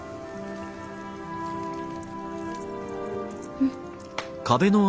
うん！